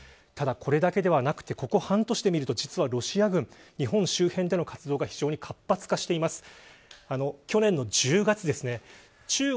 ただ、これだけではなくてここ半年で見ると実はロシア軍日本周辺での活動が非常に活発化しています。